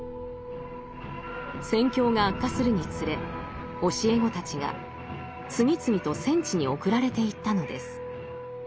戦況が悪化するにつれ教え子たちが次々と戦地に送られていったのです。